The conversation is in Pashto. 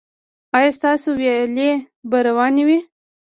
ایا ستاسو ویالې به روانې وي؟